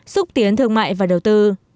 xúc tiến thương mại và đầu tư